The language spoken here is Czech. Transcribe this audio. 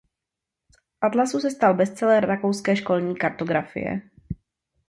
Z atlasu se stal bestseller rakouské školní kartografie.